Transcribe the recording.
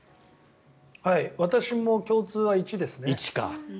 私も共通は１ですね。